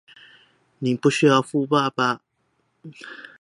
你不需要富爸爸